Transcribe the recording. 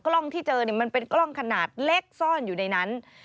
กล้องที่เจอมันเป็นกล้องขนาดเล็กซ่อนอยู่ในนั้น